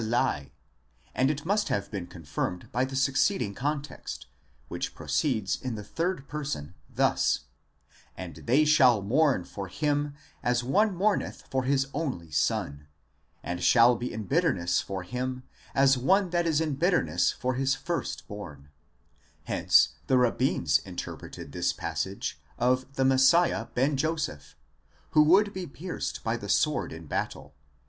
28; and it must have been confirmed by the succeeding context, which proceeds in the third person thus: and they shall mourn for him, as one mourneth for his only son, and shall be in bitterness for him, as one that ts in bitterness for his first born, Hence the Rabbins inter preted this passage of the Messiah den Joseph, who would be pierced by the sword in battle